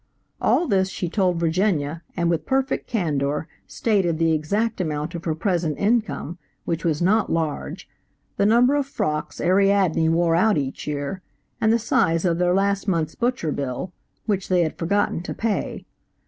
All this she told Virginia, and with perfect candor stated the exact amount of her present income, which was not large, the number of frocks Ariadne wore out each year, and the size of their last month's butcher bill (which they had forgotten to pay).